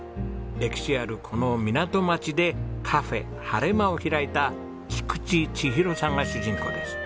歴史あるこの港町でカフェはれまを開いた菊池千尋さんが主人公です。